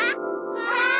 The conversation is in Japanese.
わあ！